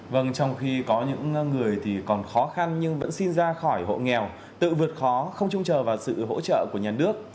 vâng trong khi có những người thì còn khó khăn nhưng vẫn xin ra khỏi hộ nghèo tự vượt khó không trông chờ vào sự hỗ trợ của nhà nước